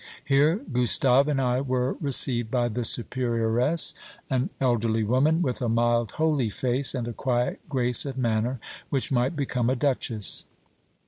Here Gustave and I were received by the superioress, an elderly woman, with a mild holy face, and a quiet grace of manner which might become a duchess.